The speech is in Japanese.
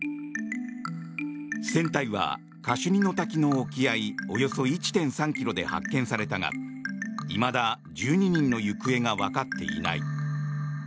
船体はカシュニの滝の沖合およそ１．３ｋｍで発見されたがいまだ１２人の行方がわかっていない。